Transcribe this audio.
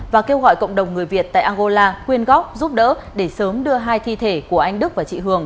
và kêu gọi cộng đồng người việt tại angola quyên góp giúp đỡ để sớm đưa hai thi thể của anh đức và chị hường